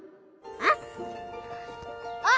あっ。